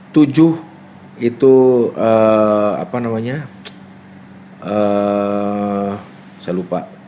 tujuh itu apa namanya saya lupa